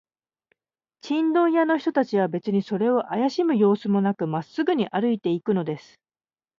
チンドン屋の人たちは、べつにそれをあやしむようすもなく、まっすぐに歩いていくのです。